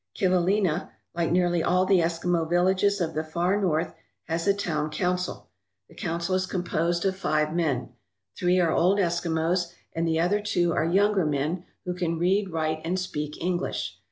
Kivalina, like nearly all the Eskimo villages of the Far North, has a town council. The council is composed of 226 SCHOOL REPUBLICS OF THE ARCTIC! five men. Three are old Eskimos, and the other two are younger men who can read, write, and speak English.